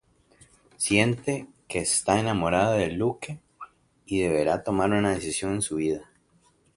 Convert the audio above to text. Siente que está enamorada de Luke y deberá tomar una decisión en su vida.